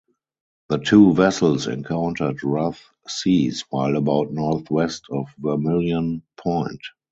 The two vessels encountered rough seas while about northwest of Vermilion Point.